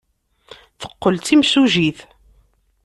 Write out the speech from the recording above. Teqqel d timsujjit.